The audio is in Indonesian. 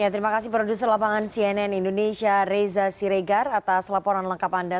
terima kasih produser lapangan cnn indonesia reza siregar atas laporan lengkap anda